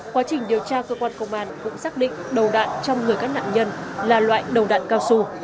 quá trình điều tra cơ quan công an cũng xác định đầu đạn trong người các nạn nhân là loại đầu đạn cao su